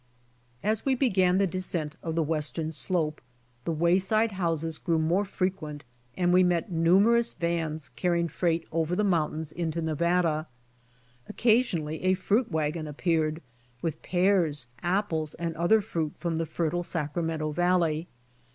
As we began the descent of the western slope, the wayside houses grew more frequent and we met numerous vans carrying freight over the mountains into Nevada. Occasionally a fruit wagon appeared, with pears, apples and other fruit from the fertile Sacramento valley.